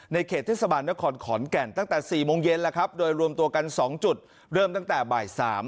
เขตเทศบาลนครขอนแก่นตั้งแต่๔โมงเย็นแล้วครับโดยรวมตัวกัน๒จุดเริ่มตั้งแต่บ่าย๓